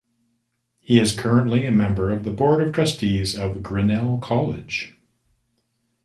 He is currently a member of the Board of Trustees of Grinnell College.